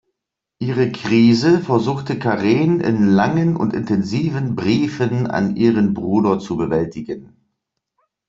Ihre Krise versuchte Karen in langen und intensiven Briefen an ihren Bruder zu bewältigen.